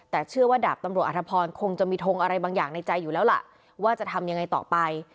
แต่เชื่อว่าดาบตำรวจอธพรคงจะมีทงอะไรบางอย่างในใจอยู่แล้วล่ะว่าจะทำยังไงต่อไป